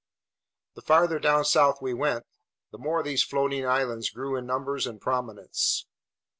The farther down south we went, the more these floating islands grew in numbers and prominence.